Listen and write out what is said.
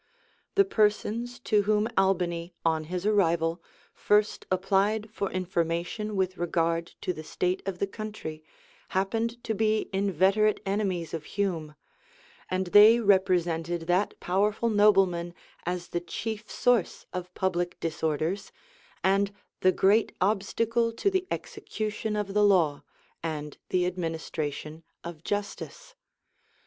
The persons to whom Albany, on his arrival, first Applied for information with regard to the state of the country, happened to be inveterate enemies of Hume;[*] and they represented that powerful nobleman as the chief source of public disorders, and the great obstacle to the execution of the law; and the administration of justice.